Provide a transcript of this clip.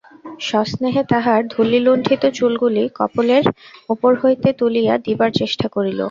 সস্নেহে তাহার ধূলিলুণ্ঠিত চুলগুলি কপোলের উপর হইতে তুলিয়া দিবার চেষ্টা করিল।